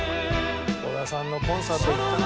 小田さんのコンサート行ったな。